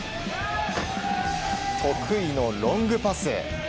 得意のロングパス。